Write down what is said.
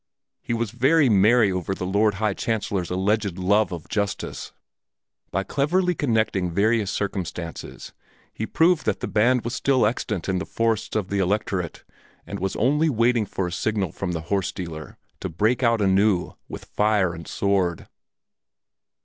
He was very merry over the Lord High Chancellor's alleged love of justice; by cleverly connecting various circumstances he proved that the band was still extant in the forests of the Electorate and was only waiting for a signal from the horse dealer to break out anew with fire and sword.